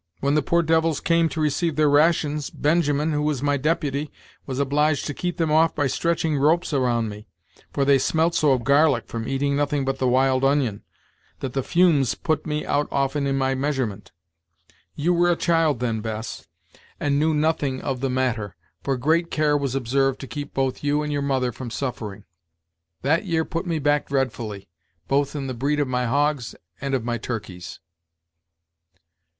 When the poor devils came to receive their rations, Benjamin, who was my deputy, was obliged to keep them off by stretching ropes around me, for they smelt so of garlic, from eating nothing but the wild onion, that the fumes put me out often in my measurement. You were a child then, Bess, and knew nothing of the matter, for great care was observed to keep both you and your mother from suffering. That year put me back dreadfully, both in the breed of my hogs and of my turkeys."